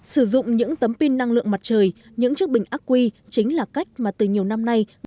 sử dụng những tấm pin năng lượng mặt trời những chiếc bình ác quy chính là cách mà từ nhiều năm nay